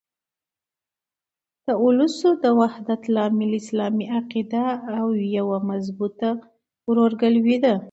د اولسو د وحدت لامل اسلامي عقیده او یوه مضبوطه ورورګلوي ده.